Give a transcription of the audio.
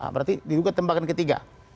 berarti diduga tembakan ketiga